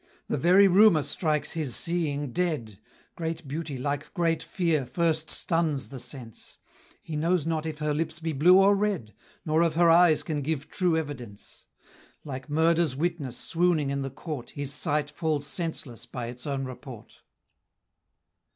The very rumor strikes his seeing dead: Great beauty like great fear first stuns the sense: He knows not if her lips be blue or red, Nor of her eyes can give true evidence: Like murder's witness swooning in the court, His sight falls senseless by its own report.